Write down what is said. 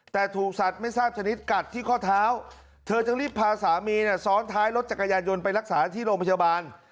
แต่ถูกสัตว์ไม่ทราบชนิดกัดที่ข้อเท้าเธอจึงรีบพาสามีซ้อนท้ายรถจักรยานยนต์ไปรักษาที่โรงพยาบาล